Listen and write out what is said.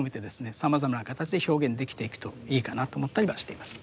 さまざまな形で表現できていくといいかなと思ったりはしています。